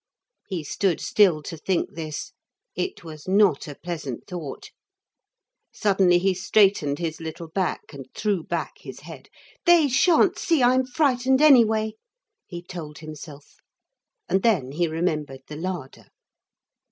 He stood still to think this. It was not a pleasant thought. Suddenly he straightened his little back, and threw back his head. 'They shan't see I'm frightened anyway,' he told himself. And then he remembered the larder.